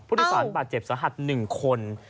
ผู้โดยสารปะเจ็บสะหัด๑คน